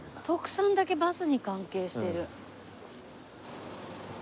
徳さんだけバスに関係してる？